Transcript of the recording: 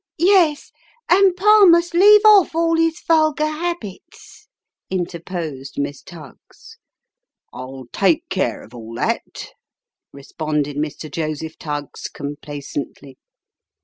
" Yes, and Pa must leave off all his vulgar habits," interposed Miss Tuggs. "I'll take care of all that," responded Mr. Joseph Tuggs, com placently.